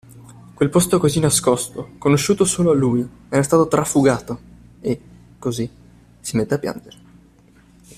Quel posto così nascosto, conosciuto solo a lui, era stato trafugato e, così, si mette a piangere.